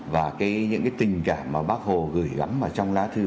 và cái những cái tình cảm mà bác hồ gửi gắm vào trong lá thư